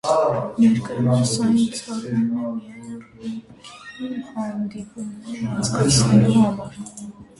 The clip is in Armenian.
Ներկայումս այն ծառայում է միայն ռեգբիի հանդիպումներ անցկացնելու համար։